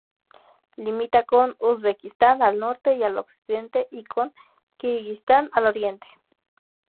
Limita con Uzbekistán al norte y al occidente, y con Kirguistán al oriente.